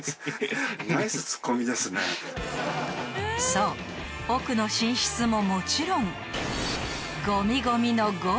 ［そう奥の寝室ももちろん］